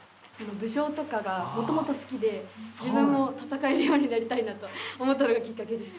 武将とかがもともと好きで自分も戦えるようになりたいなと思ったのがきっかけです。